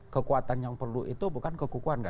kekuatan yang perlu itu bukan kekukuan